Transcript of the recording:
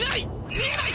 見えない！